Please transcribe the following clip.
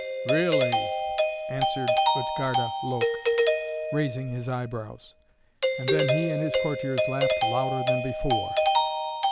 "Really!" answered Utgarda Loke, raising his eyebrows. And then he and his courtiers laughed louder than before.